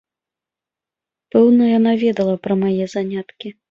Пэўна, яна ведала пра мае заняткі.